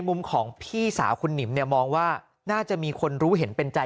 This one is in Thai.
มุมของพี่สาวคุณหนิมเนี่ยมองว่าน่าจะมีคนรู้เห็นเป็นใจ